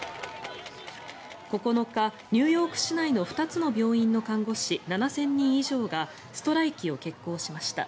９日、ニューヨーク市内の２つの病院の看護師７０００人以上がストライキを決行しました。